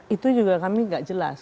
itu juga kami tidak jelas